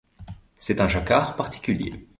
C’est un jacquard particulier.